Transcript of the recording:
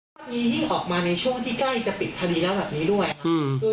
คดียิ่งออกมาในช่วงที่ใกล้จะปิดคดีแล้วแบบนี้ด้วยค่ะ